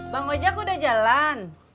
bang ojak udah jalan